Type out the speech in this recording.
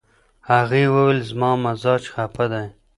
هغې وویل، "زما مزاج خپه دی."